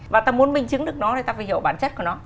và ta muốn minh chứng được nó thì ta phải hiểu bản chất của nó